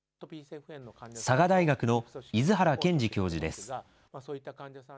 佐賀大学の出原賢治教授です。